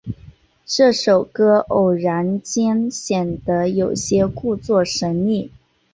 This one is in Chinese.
这首歌偶然间显得有些故作神秘。